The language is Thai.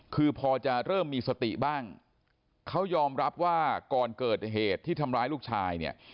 คือพอจะเริ่มมีสติบ้างเขายอมรับว่าก่อนเกิดเหตุที่ทำร้ายลูกชายเนี่ย